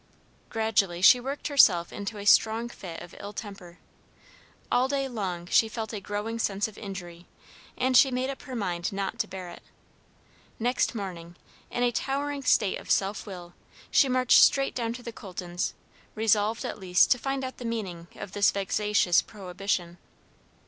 Gradually she worked herself into a strong fit of ill temper. All day long she felt a growing sense of injury, and she made up her mind not to bear it. Next morning, in a towering state of self will, she marched straight down to the Coltons, resolved at least to find out the meaning of this vexatious prohibition.